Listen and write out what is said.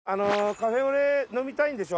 カフェオレ飲みたいんでしょ？